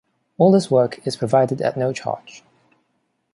All this work is provided at no charge.